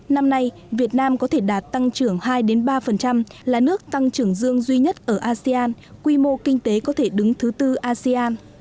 năm nay việt nam có thể đạt tăng trưởng hai ba là nước tăng trưởng dương duy nhất ở asean quy mô kinh tế có thể đứng thứ tư asean